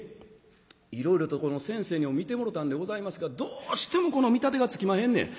いろいろとこの先生にも診てもろたんでございますがどうしてもこの見立てがつきまへんねん。